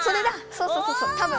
そうそうそうそうたぶん。